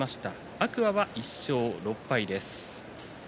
天空海は１勝６敗です。